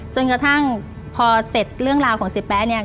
จนกระทั่งพอเสร็จเรื่องราวของเสียแป๊ะเนี่ย